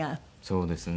そうですね。